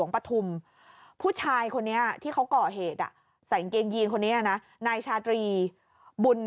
ปฐุมผู้ชายคนนี้ที่เขาก่อเหตุใส่กางเกงยีนคนนี้นะนายชาตรีบุญ